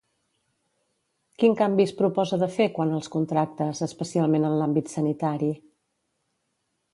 Quin canvi es proposa de fer quant als contractes, especialment en l'àmbit sanitari?